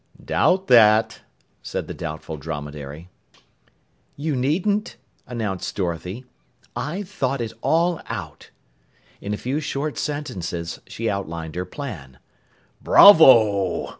"Doubt that," said the Doubtful Dromedary. "You needn't!" announced Dorothy. "I've thought it all out." In a few short sentences she outlined her plan. "Bravo!"